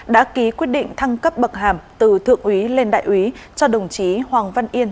đã ký quyết định thăng cấp bậc hàm từ thượng úy lên đại úy cho đồng chí hoàng văn yên